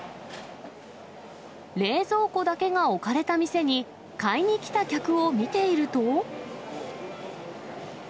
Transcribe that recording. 冷蔵庫だけが置かれた店に、買いに来た客を見ていると。